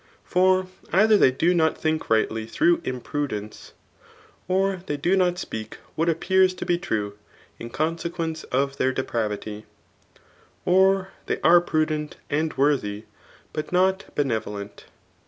For eitiier they do not think rightly through imprudence ; ox they do not speak what appears to be mw, m ooDfiequence of their depravity ^ or they are pru« dent and. worthy, Mitiiot benevolent.